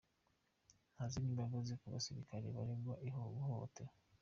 Nta zindi mbabazi ku basirikare baregwa guhohotera”.